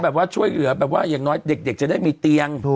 แบบว่าช่วยเหลือแบบว่าอย่างน้อยเด็กจะได้มีเตียง